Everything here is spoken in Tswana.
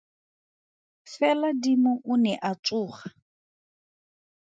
Fela dimo o ne a tsoga!